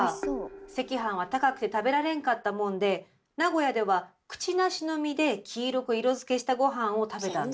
赤飯は高くて食べられんかったもんで名古屋ではくちなしの実で黄色く色づけした御飯を食べたんだわ。